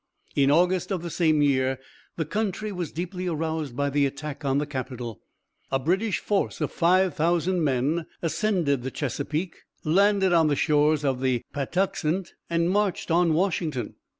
In August of the same year the country was deeply aroused by the attack on the capitol. A British force of 5,000 men ascended the Chesapeake, landed on the shores of the Patuxent, and marched on Washington.